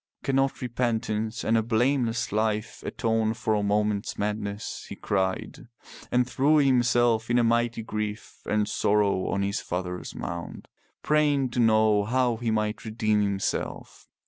Cannot repentance and a blameless life atone for a moment's madness?'* he cried, and threw himself in mighty grief and sorrow on his father's mound, praying to know how he might redeem himself.